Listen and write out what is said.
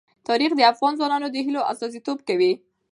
تاریخ د افغان ځوانانو د هیلو استازیتوب کوي.